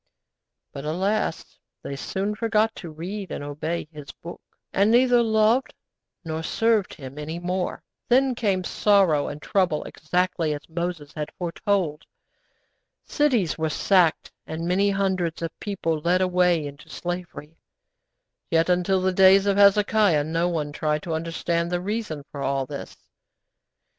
But, alas! they soon forgot to read and obey His Book, and neither loved nor served Him any more. Then came sorrow and trouble exactly as Moses had foretold. Cities were sacked, and many hundreds of people led away into slavery; yet, until the days of Hezekiah, no one tried to understand the reason for all this.